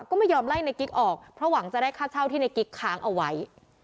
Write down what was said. ก็ไม่ยอมไล่ในกิ๊กออกเพราะหวังจะได้ค่าเช่าที่ในกิ๊กค้างเอาไว้